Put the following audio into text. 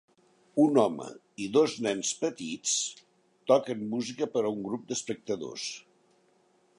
Un home i dos nens petits toquen música per a un grup d'espectadors.